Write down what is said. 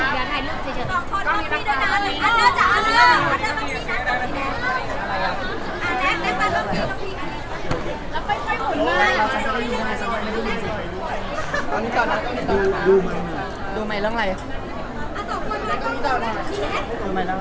ยอดลองลงรร้อน